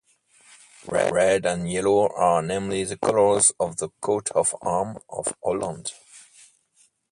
Red and yellow are namely the colours of the coat-of-arms of Holland.